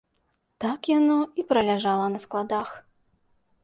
Так яно і праляжала на складах.